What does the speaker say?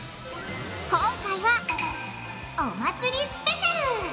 今回はお祭りスペシャル！